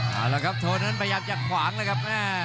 เอาละครับโชว์นั้นพยายามจะขวางเลยครับ